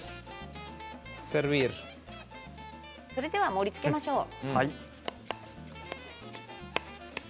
それでは盛りつけましょう。